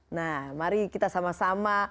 nah mari kita sama sama